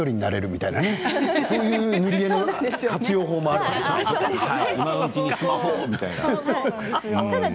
そういう塗り絵の活用法もあるから。